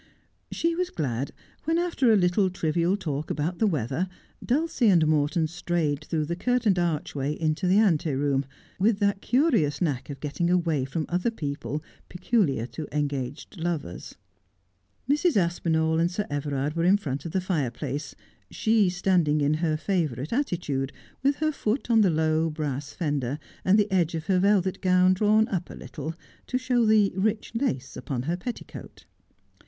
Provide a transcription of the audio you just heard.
She was glad when, after a little trivial talk about the weather, Dulcie and Morton strayed through the curtained archway into the ante room, with that curious knack of getting away from other people peculiar to engaged lovers. Mrs. Aspinall and Sir Everard were in front of the fireplace, she standing in her favourite attitude, with her foot on the low, brass fender, and the edge of her velvet gown drawn up a littb', to show the rich lace upon her petticoat.